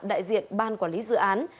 đại diện ban quản lý dự án